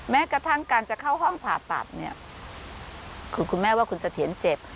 แม้กระทั่งการจะเข้าห้องผ่าตัดเนี่ยคือคุณแม่ว่าคุณเสถียรเจ็บ